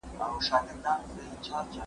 هغې اووه کاله مخکې په ملا ټپي شوې وه.